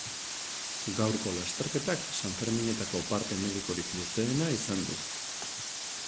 Gaurko lasterketak sanferminetako parte medikorik luzeena izan du.